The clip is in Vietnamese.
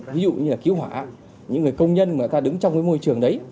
ví dụ như là cứu hỏa những người công nhân mà người ta đứng trong cái môi trường đấy